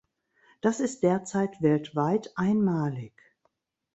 Das ist derzeit weltweit einmalig.